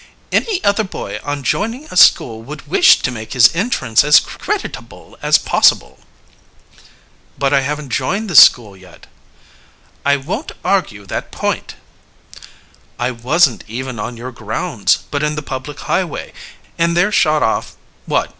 "Any other boy on joining a school would wish to make his entrance as creditable as possible." "But I haven't joined this school yet." "I won't argue that point." "I wasn't even on your grounds, but in the public highway and there shot off what?